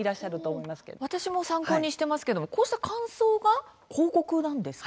私も参考にしてますけどもこうした感想が広告なんですか？